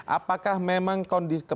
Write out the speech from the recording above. apakah memang kondisi